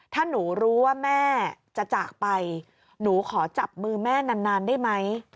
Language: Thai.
ถ้าหนูรู้ว่าแม่จะจากไปหนูขอจับมือแม่นานได้ไหม